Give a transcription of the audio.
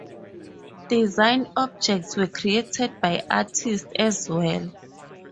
Design objects were created by artists as well.